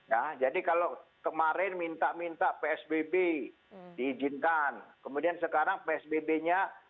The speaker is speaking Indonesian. nah jadi kalau kemarin minta minta psbb diizinkan kemudian sekarang psbb nya mau dilonggarkan